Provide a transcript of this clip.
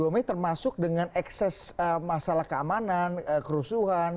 dua puluh mei termasuk dengan ekses masalah keamanan kerusuhan